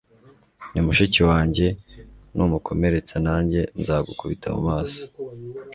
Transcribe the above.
ni mushiki wanjye. numukomeretsa nanjye nzagukubita mu maso